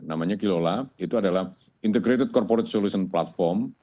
namanya kilolap itu adalah integrated corporate solution platform